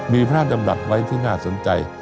มีพระราชดำรัฐไว้ที่น่าสนใจ